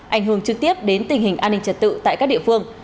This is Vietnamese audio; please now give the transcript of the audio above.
ảnh hưởng trực tiếp đến tình hình an ninh trật tự tại các địa phương